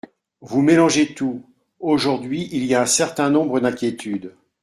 Vous mélangez tout ! Aujourd’hui, il y a un certain nombre d’inquiétudes.